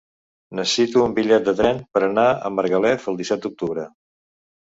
Necessito un bitllet de tren per anar a Margalef el disset d'octubre.